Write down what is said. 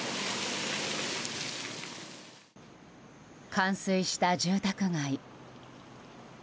冠水した住宅街。